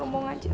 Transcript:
rum mau ngajar